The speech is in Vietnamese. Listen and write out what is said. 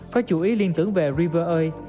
có chủ ý liên tưởng về river oil